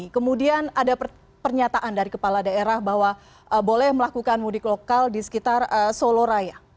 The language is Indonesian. kemudian ada pernyataan dari kepala daerah bahwa boleh melakukan mudik lokal di sekitar solo raya